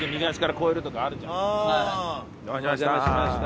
お邪魔しました。